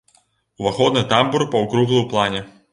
Уваходны тамбур паўкруглы ў плане.